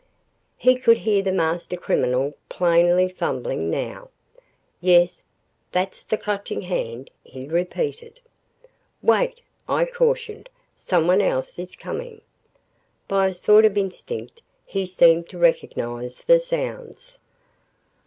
He could hear the master criminal plainly fumbling, now. "Yes, that's the Clutching Hand," he repeated. "Wait," I cautioned, "someone else is coming!" By a sort of instinct he seemed to recognize the sounds.